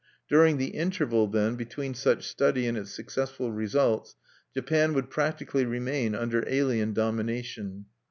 During the interval, then, between such study and its successful results, Japan would practically remain under alien domination.